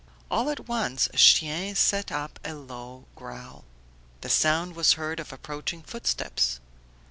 All at once Chien set up a low growl; the sound was heard of approaching footsteps.